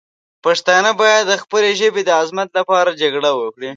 پښتانه باید د خپلې ژبې د عظمت لپاره جګړه وکړي.